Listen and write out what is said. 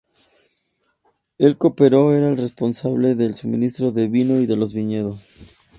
El copero era el responsable del suministro del vino y de los viñedos.